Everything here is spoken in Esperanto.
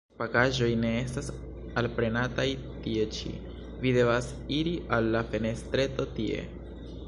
Pakaĵoj ne estas alprenataj tie ĉi; vi devas iri al la fenestreto, tie.